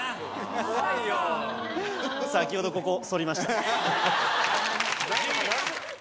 先ほど、ここそりました。